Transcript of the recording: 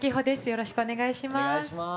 よろしくお願いします。